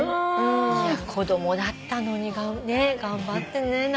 いや子供だったのに頑張ったね直美ちゃん。